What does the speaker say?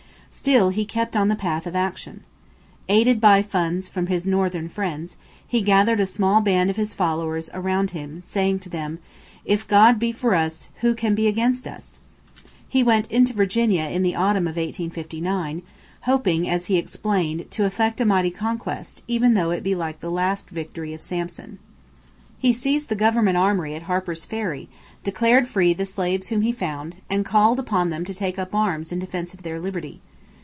Still he kept on the path of "action." Aided by funds from Northern friends, he gathered a small band of his followers around him, saying to them: "If God be for us, who can be against us?" He went into Virginia in the autumn of 1859, hoping, as he explained, "to effect a mighty conquest even though it be like the last victory of Samson." He seized the government armory at Harper's Ferry, declared free the slaves whom he found, and called upon them to take up arms in defense of their liberty.